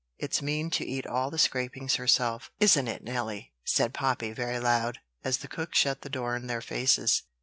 It's mean to eat all the scrapings herself; isn't it Nelly?" said Poppy, very loud, as the cook shut the door in their faces.